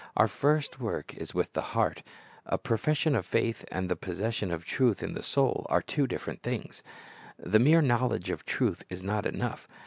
Our first work is with the heart. A profession of faith and the possession of truth in the soul are two different things. The mere knowledge of truth is not enough.